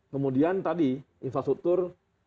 kemudian tadi infrastruktur